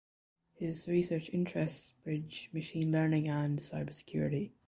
His research interests bridge machine learning and cybersecurity.